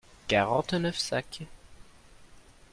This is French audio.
quarante neuf sacs.